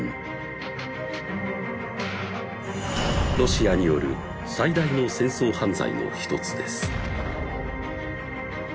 ロシアによる最大の戦争犯罪の一つです